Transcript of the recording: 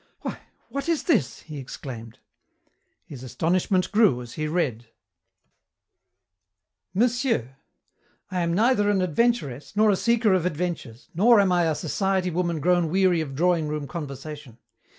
"Why, what is this?" he exclaimed. His astonishment grew as he read: "Monsieur, "I am neither an adventuress nor a seeker of adventures, nor am I a society woman grown weary of drawing room conversation.